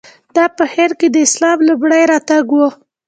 دا په هند کې د اسلام لومړی راتګ و.